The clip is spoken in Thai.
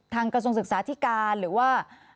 กระทรวงศึกษาธิการหรือว่า